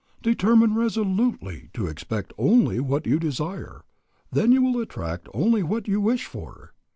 Determine resolutely to expect only what you desire, then you will attract only what you wish for.